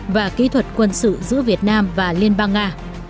và kỹ thuật quân sự giữa việt nam và liên bang nga